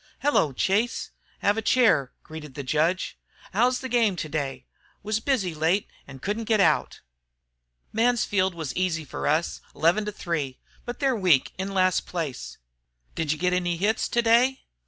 "Hello, Chase, have a chair," greeted the judge. "How's the game today? Was busy late and couldn't get out." "Mansfield was easy for us, 11 to 3. But they're weak, in last place." "Did you get any hits today?"